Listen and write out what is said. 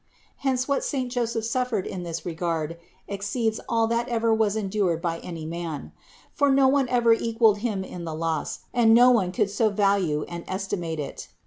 Hence, what saint Joseph suffered in this regard exceeds all that ever was endured by any man ; for no one ever equalled him in the loss, and no one could so value and estimate it.